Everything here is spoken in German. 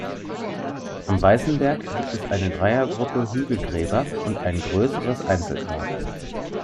Am Weißenberg gibt es eine Dreiergruppe Hügelgräber und ein größeres Einzelgrab.